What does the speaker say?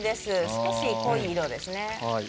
少し濃い色ですね。